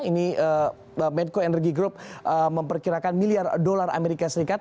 ini menko energy group memperkirakan miliar dolar amerika serikat